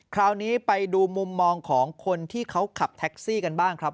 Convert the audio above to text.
คราวนี้ไปดูมุมมองของคนที่เขาขับแท็กซี่กันบ้างครับ